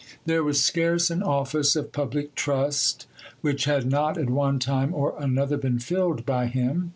There was scarce an office of public trust which had not at one time or another been filled by him.